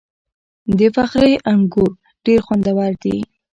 د فخری انګور ډیر خوندور دي.